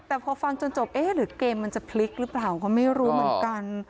แต่พอฟังจนจบเอ๊ะหรือเกมมันจะพลิกหรือเปล่าก็ไม่รู้เหมือนกัน